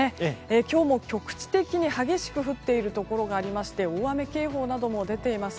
今日も局地的に激しく降っているところがありまして大雨警報なども出ています。